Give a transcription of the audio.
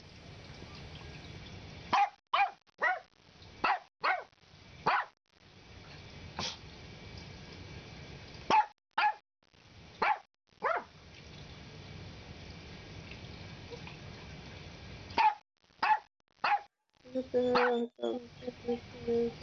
গুরুতর আহত অবস্থায় ফরিদপুর মেডিকেল কলেজ হাসপাতালে নেওয়া হলে তার মৃত্যু হয়।